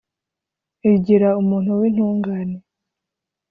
rigira umuntu w'intungane